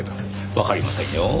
わかりませんよ。